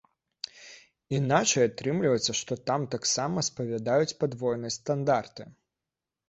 Іначай атрымліваецца, што там таксама спавядаюць падвойныя стандарты.